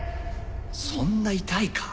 そんな痛いか？